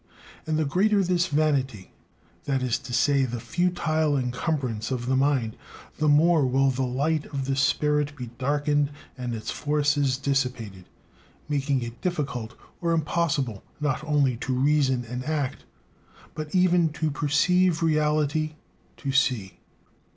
And the greater this vanity, that is to say, the futile encumbrance of the mind, the more will the light of the spirit be darkened and its forces dissipated, making it difficult or impossible not only to reason and act, but even to perceive reality, to see.